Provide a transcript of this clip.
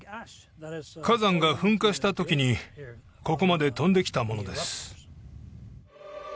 火山が噴火した時にここまで飛んできたものです